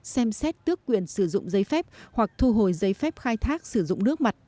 xem xét tước quyền sử dụng giấy phép hoặc thu hồi giấy phép khai thác sử dụng nước mặt